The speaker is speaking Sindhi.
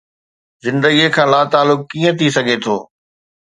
زندگي کان لاتعلق ڪيئن ٿي سگهي ٿو؟